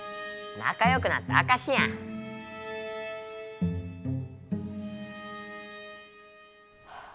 なかよくなったあかしや！ハァ。